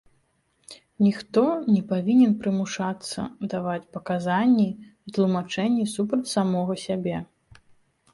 Ніхто не павінен прымушацца даваць паказанні і тлумачэнні супраць самога сябе.